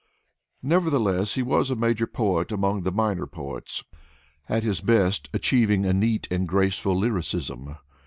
Nevertheless he was a major poet among the minor poets, at his best achieving a neat and graceful lyricism.